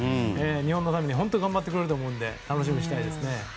日本のために本当に頑張ってくれると思うので楽しみにしたいですね。